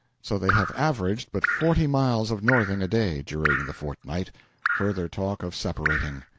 So they have averaged but forty miles of northing a day during the fortnight. Further talk of separating.